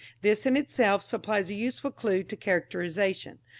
This in itself supplies a useful clue to characterisation.